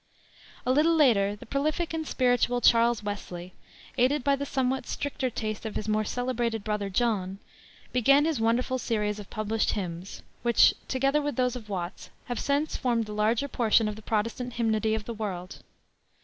A little later the prolific and spiritual Charles Wesley, aided by the somewhat stricter taste of his more celebrated brother, John, began (1739) his wonderful series of published hymns, which, together with those of Watts, have since formed the larger portion of the Protestant hymnody of the world.